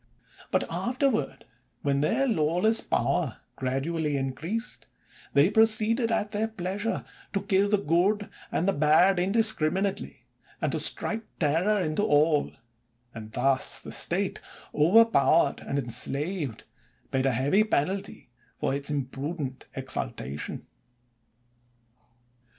But afterward, when their lawless power gradually increased, they pro ceeded, at their pleasure, to kill the good and bad indiscriminately, and to strike terror into all; and thus the State, overpowered and en slaved, paid a heavy penalty for its imprudent exultation.